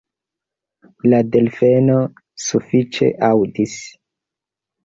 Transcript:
La delfeno sufiĉe aŭdis.